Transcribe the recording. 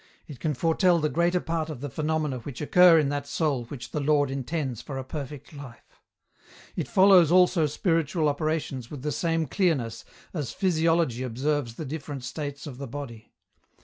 It can foretell the greater part of the phenomena which occur in that soul which the Lord intends for a perfect life ; it follows also spiritual operations with the same clearness as physiology observes the different states of the body.